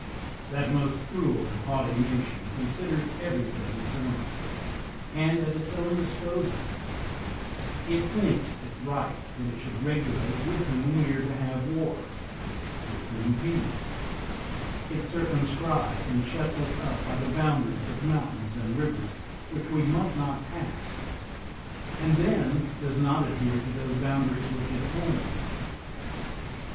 That most cruel and haughty nation considers everything its own, and at its own disposal; it thinks it right that it should regulate with whom we are to have war, with whom peace; it cir cumscribes and shuts us up by the boundaries of mountains and rivers which we must not pass, and then does not adhere to those boundaries which it appointed.